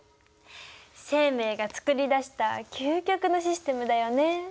生命が作り出した究極のシステムだよね！